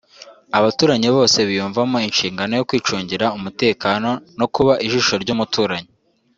abaturage bose biyumvamo inshingano yo kwicungira umutekano no kuba ijisho ry’umuturanyi